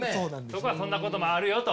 そこはそんなこともあるよと。